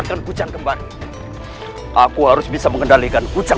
terima kasih atas dukungan anda